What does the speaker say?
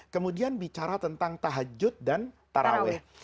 kemudian bicara tentang tahajud dan taraweh